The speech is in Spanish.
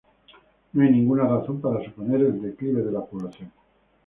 No hay ninguna razón para suponer el declive de la población.